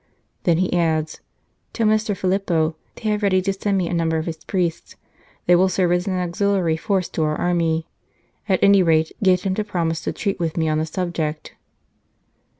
Then he adds: "Tell Messer Filippo to have ready to send me a number of his priests ; they will serve as an auxiliary force to our army. At any rate, get him to promise to treat with me on the subject."